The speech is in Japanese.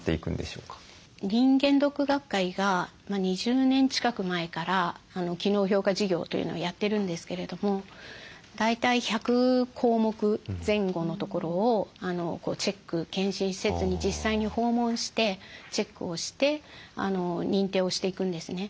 人間ドック学会が２０年近く前から機能評価事業というのをやってるんですけれども大体１００項目前後のところをチェック健診施設に実際に訪問してチェックをして認定をしていくんですね。